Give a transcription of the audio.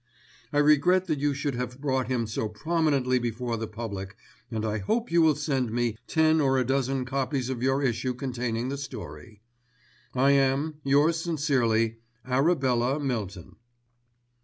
I regret that you should have brought him so prominently before the public, and I hope you will send me ten or a dozen copies of your issue containing the story. "'I am, "'Yours sincerely, "'ARABELLA MYLTON.